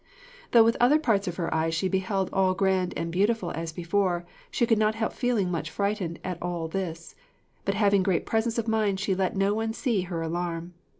Though with the other parts of her eyes she beheld all grand and beautiful as before, she could not help feeling much frightened at all this; but having great presence of mind she let no one see her alarm.